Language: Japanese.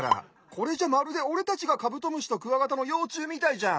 これじゃまるでおれたちがカブトムシとクワガタのようちゅうみたいじゃん。